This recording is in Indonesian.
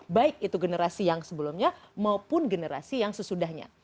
baik itu generasi yang sebelumnya maupun generasi yang sesudahnya